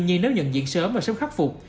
tuy nhiên nếu nhận diện sớm và sớm khắc phục